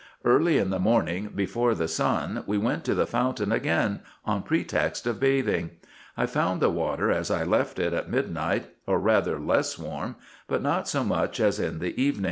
Early in the morning, before the sun, we went to the fountain again, on pretext of bathing. I found the water as I left it at midnight, or rather less warm, but not so much as in the evening.